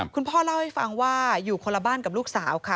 คุณพ่อเล่าให้ฟังว่าอยู่คนละบ้านกับลูกสาวค่ะ